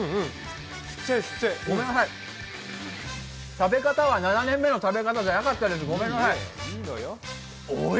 食べ方は７年目の食べ方じゃなかったです、ごめんなさい。